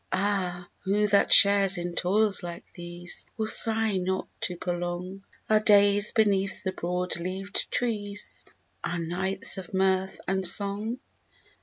Ah, who that shares in toils like these Will sigh not to prolong Our days beneath the broad leaved trees, Our nights of mirth and song?